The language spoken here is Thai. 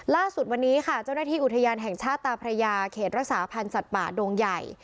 ล่าสุดวันนี้ค่ะเจ้าหน้าที่อุทยานแห่งชาติตาพระยาเขตรักษาพันธ์สัตว์ป่าดงใหญ่